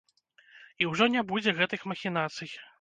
І ўжо не будзе гэтых махінацый.